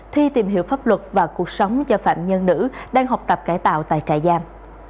thi tìm hiểu pháp luật và cuộc sống cho phạm nhân nữ đang học tập cải tạo tại trại giam